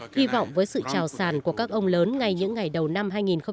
hy vọng với sự trào sản của các ông lớn ngay những ngày đầu năm hai nghìn một mươi chín